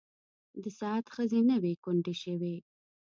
د سعد ښځې نه وې کونډې شوې.